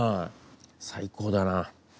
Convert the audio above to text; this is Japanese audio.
最高だな。